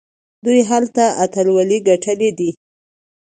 دوی هلته اتلولۍ ګټلي دي.